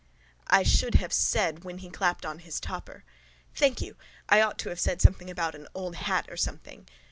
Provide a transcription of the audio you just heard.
I should have said when he clapped on his topper. Thank you. I ought to have said something about an old hat or something.